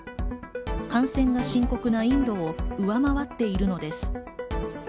感染が深刻なインドを上回っているのです。